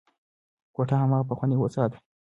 کوټه هماغه پخوانۍ او ساده وه.